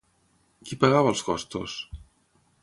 Qui pagava els costos?